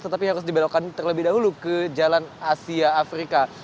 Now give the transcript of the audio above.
tetapi harus dibelokkan terlebih dahulu ke jalan asia afrika